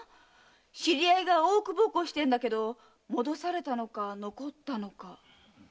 知り合いが大奥奉公してるけど戻されたのか残ったのかね